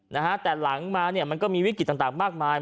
นะฮะแต่หลังมาเนี่ยมันก็มีวิกฤตต่างต่างมากมาย